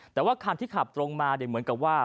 แต่ว่าคันที่ขับตรงมาเหมือนกับว่า